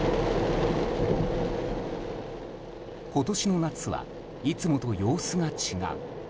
今年の夏はいつもと様子が違う。